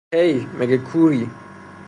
هی، مگه کوری!